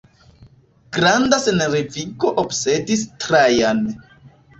Granda senrevigo obsedis Trajan.